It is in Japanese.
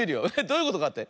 どういうことかって？